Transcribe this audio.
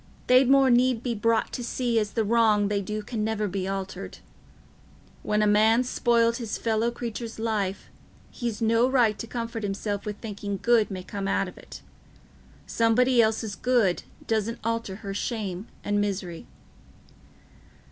They'd more need be brought to see as the wrong they do can never be altered. When a man's spoiled his fellow creatur's life, he's no right to comfort himself with thinking good may come out of it. Somebody else's good doesn't alter her shame and misery."